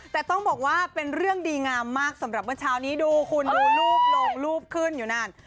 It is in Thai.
แต่ต้องบอกว่าเป็นเรื่องดีงามมากสำหรับเมื่อเช้านี้ดูคุณดูรูปลงรูปขึ้นอยู่นั่น